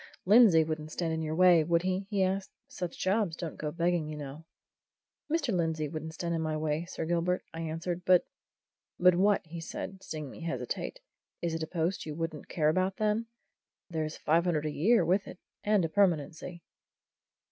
"Lindsey wouldn't stand in your way, would he?" he asked. "Such jobs don't go begging, you know." "Mr. Lindsey wouldn't stand in my way, Sir Gilbert," I answered. "But " "But what?" said he, seeing me hesitate. "Is it a post you wouldn't care about, then? There's five hundred a year with it and a permanency."